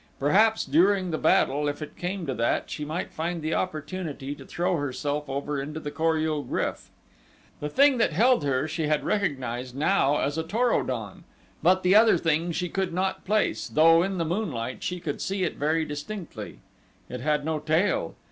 Perhaps, during the battle, if it came to that, she might find the opportunity to throw herself over into the Kor ul GRYF. The thing that held her she had recognized now as a Tor o don, but the other thing she could not place, though in the moonlight she could see it very distinctly. It had no tail.